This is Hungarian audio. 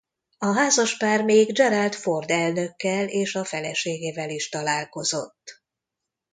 A házaspár még Gerald Ford elnökkel és a feleségével is találkozott.